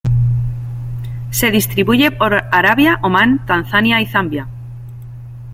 Se distribuye por Arabia, Omán, Tanzania y Zambia.